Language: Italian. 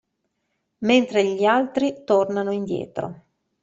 Mentre gli altri tornano indietro.